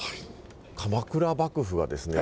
鎌倉幕府がですね